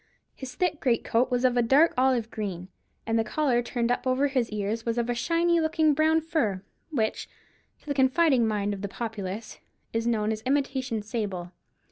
His thick greatcoat was of a dark olive green, and the collar turned up over his ears was of a shiny looking brown fur, which, to the confiding mind of the populace, is known as imitation sable.